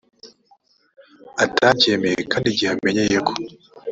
atabyemeye kandi igihe amenyeyeko